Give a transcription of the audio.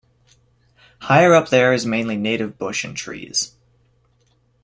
Higher up there is mainly native bush and trees.